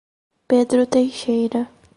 Pedro Teixeira